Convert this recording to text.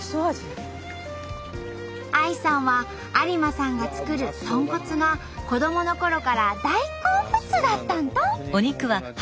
ＡＩさんは有馬さんが作る豚骨が子どものころから大好物だったんと！